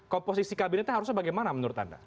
komposisi kabinetnya harusnya bagaimana menurut anda